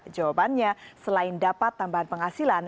jawabannya selain dapat tambahan penghasilan